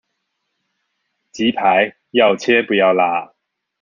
雞排要切不要辣